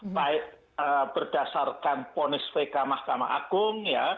baik berdasarkan ponis pk mahkamah agung